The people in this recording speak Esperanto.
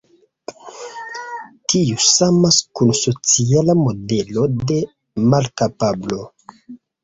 Tiu samas kun sociala modelo de malkapablo.